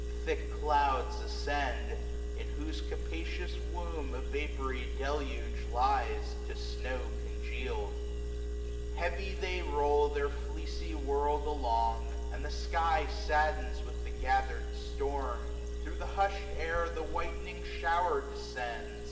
Thick clouds ascend; in whose capacious womb 225 A vapoury deluge lies, to snow congeal'd Heavy they roll their fleecy world along j And the sky saddens with the gathered storms Thro* the hush'd air the whitening shower descends.